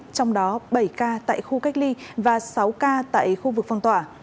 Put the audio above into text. trong đó bảy ca tại khu cách ly và sáu ca tại khu vực phong tỏa